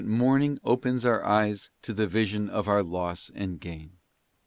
247 mourning opens our eyes to the vision of our loss and gain.